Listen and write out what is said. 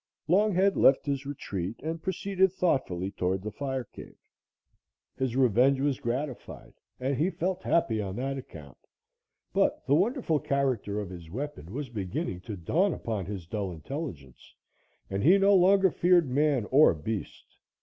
Longhead left his retreat and proceeded thoughtfully toward the fire cave. His revenge was gratified and he felt happy on that account, but the wonderful character of his weapon was beginning to dawn upon his dull intelligence, and he no longer feared man or beast.